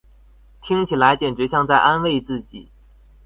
听起来简直像在安慰自己